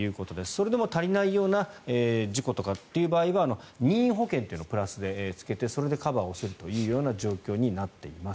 それでも足りないような事故という場合は任意保険というのをプラスでつけてそれでカバーするという状況になっています。